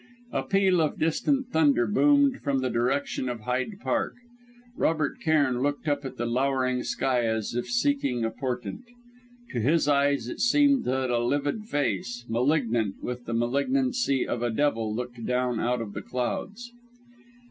A peal of distant thunder boomed from the direction of Hyde Park. Robert Cairn looked up at the lowering sky as if seeking a portent. To his eyes it seemed that a livid face, malignant with the malignancy of a devil, looked down out of the clouds.